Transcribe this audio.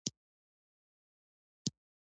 د سوداګرۍ په برخه کي ځوانان نوې لارې چارې پیدا کوي.